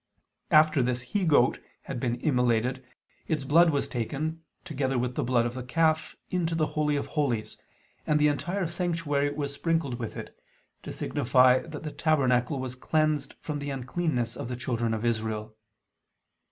After this he goat had been immolated, its blood was taken, together with the blood of the calf, into the Holy of Holies, and the entire sanctuary was sprinkled with it; to signify that the tabernacle was cleansed from the uncleanness of the children of Israel.